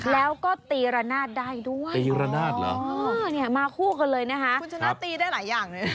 แล้วก็ตีระนาดได้ด้วยอ๋อมาคู่กันเลยนะฮะคุณชนะตีได้หลายอย่าง